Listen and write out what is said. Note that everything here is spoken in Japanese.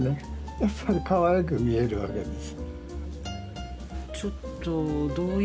やっぱりかわいく見えるわけです。